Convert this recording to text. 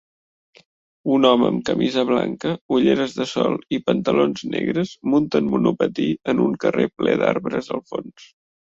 Un home amb camisa blanca, ulleres de sol i pantalons negres munta en monopatí en un carrer ple d'arbres al fons